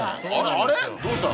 あれ？